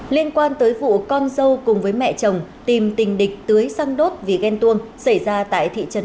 liên quan tới vụ con dâu cùng với mẹ chồng tìm tình địch tưới xăng đốt vì ghen tuông xảy ra tại thị trấn